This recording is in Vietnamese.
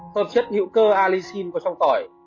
thơm chất hữu cơ alisin có trong tỏi